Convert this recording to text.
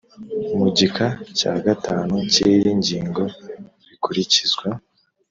mu gika cya gatanu cy iyi ngingo bikurikizwa